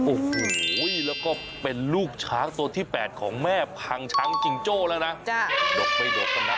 โอ้โหแล้วก็เป็นลูกช้างตัวที่๘ของแม่พังช้างจิงโจ้แล้วนะ